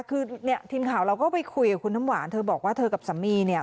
คือเนี่ยทีมข่าวเราก็ไปคุยกับคุณน้ำหวานเธอบอกว่าเธอกับสามีเนี่ย